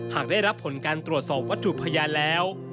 หากได้รับผลการตรวจสอบวัตถุพยานแล้ว